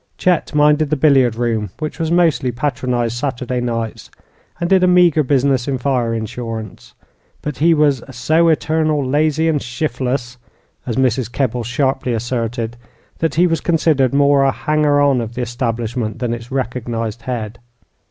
Chet minded the billiard room, which was mostly patronized Saturday nights, and did a meager business in fire insurance; but he was "so eternal lazy an' shifless," as Mrs. Kebble sharply asserted, that he was considered more a "hanger on" of the establishment than its recognized head.